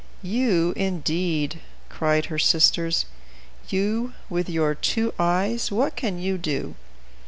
"You, indeed!" cried her sisters; "you, with your two eyes, what can you do?"